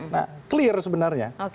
nah clear sebenarnya